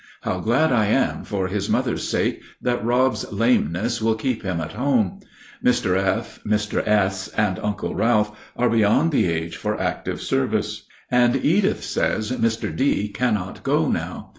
How glad I am for his mother's sake that Rob's lameness will keep him at home. Mr. F., Mr. S., and Uncle Ralph are beyond the age for active service, and Edith says Mr. D. can't go now.